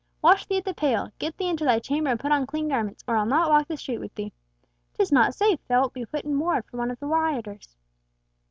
Wash thee at the pail! Get thee into thy chamber and put on clean garments, or I'll not walk the street with thee! 'Tis not safe—thou wilt be put in ward for one of the rioters."